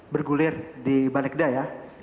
bergulir di balegda ya